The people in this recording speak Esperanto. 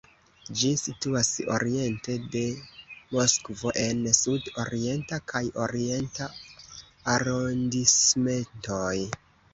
Ĝi situas oriente de Moskvo en Sud-Orienta kaj Orienta arondismentoj.